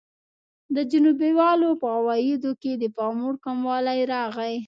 د جنوبي والو په عوایدو کې د پاموړ کموالی راغی.